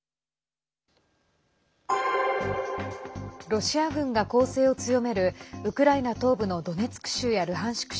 ロシア軍が攻勢を強めるウクライナ東部のドネツク州やルハンシク